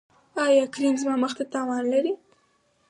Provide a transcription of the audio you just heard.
ایا کریم زما مخ ته تاوان لري؟